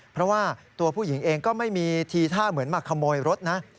เพราะว่าตัวผู้หญิงเองก็ไม่มีทีท่าเหมือนมาขโมยรถนะ